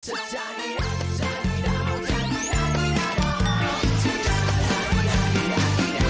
สวัสดีครับสวัสดีครับ